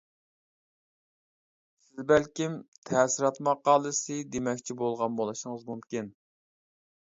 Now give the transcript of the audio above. سىز بەلكىم «تەسىرات ماقالىسى» دېمەكچى بولغان بولۇشىڭىز مۇمكىن.